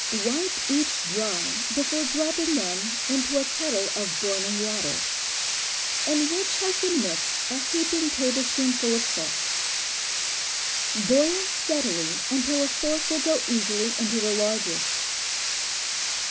Wipe each dry before dropping them into a kettle of boiling water, in which has been mixed a heaping tablespoonful of salt. Boil steadily until a fork will go easily into the largest.